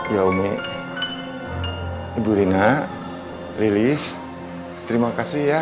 ya umi ibu rina lilis terima kasih ya